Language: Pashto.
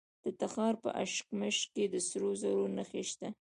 د تخار په اشکمش کې د سرو زرو نښې شته.